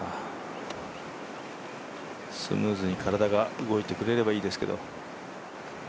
スムーズに体が動いてくれればいいですけど。